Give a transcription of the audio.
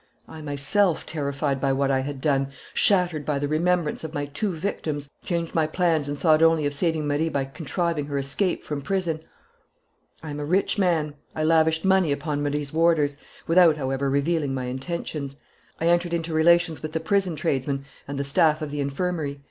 "I myself, terrified by what I had done, shattered by the remembrance of my two victims, changed my plans and thought only of saving Marie by contriving her escape from prison.... "I am a rich man. I lavished money upon Marie's warders, without, however, revealing my intentions. I entered into relations with the prison tradesmen and the staff of the infirmary.